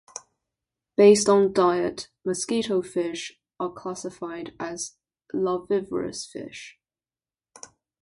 Based on diet, mosquitofish are classified as larvivorous fish.